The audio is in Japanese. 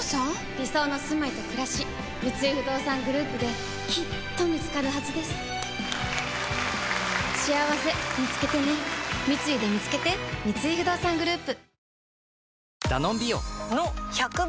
理想のすまいとくらし三井不動産グループできっと見つかるはずですしあわせみつけてね三井でみつけてさぁ続いてはＧブロック！